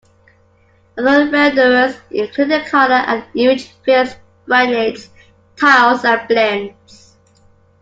Other renderers included color and image fills, gradients, tiles and blends.